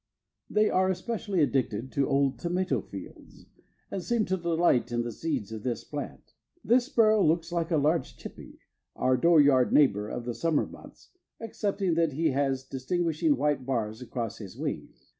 They are especially addicted to old tomato fields and seem to delight in the seeds of this plant. This sparrow looks like a large chippy, our door yard neighbor of the summer months, excepting that he has distinguishing white bars across his wings.